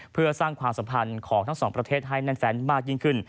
เพื่อสร้างความสัมพันธ์ของทั้งสองประเทศให้แน่นแฟนมากยิ่งขึ้น